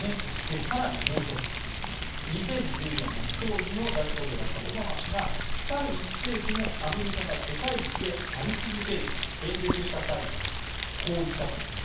更にもう１つ、２０１４年当時の大統領だったオバマ氏が来たる１世紀もアメリカが世界一であり続けると演説した際にはこう言ったというんです。